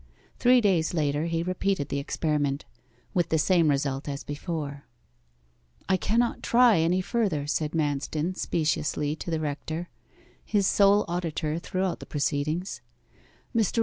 Three days later he repeated the experiment; with the same result as before. 'I cannot try any further,' said Manston speciously to the rector, his sole auditor throughout the proceedings.